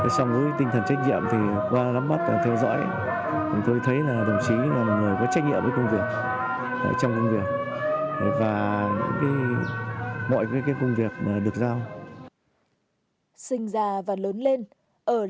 xong rồi tinh thần trách nhiệm thì qua lắm mắt theo dõi tôi thấy là đồng chí là một người có trách nhiệm với công việc trong công việc và mọi cái công việc được giao